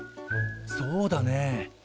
そうだね。